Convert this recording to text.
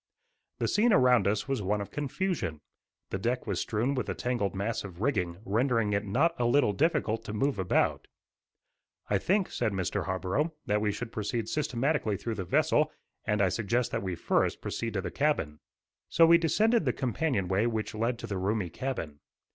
The scene around us was one of confusion. The deck was strewn with a tangled mass of rigging, rendering it not a little difficult to move about. "I think," said Mr. Harborough, "that we should proceed systematically through the vessel, and I suggest that we first proceed to the cabin." So we descended the companionway which led to the roomy cabin.